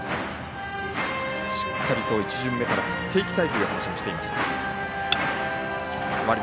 しっかり１巡目から振っていきたいという話もしていました。